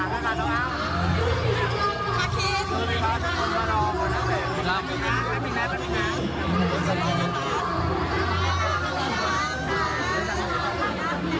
สวัสดีครับสวัสดีค่ะดูกัน